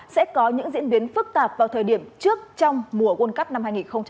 sẽ có những diễn biến phức tạp vào thời điểm trước trong mùa world cup năm hai nghìn hai mươi